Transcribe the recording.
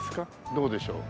どうでしょう？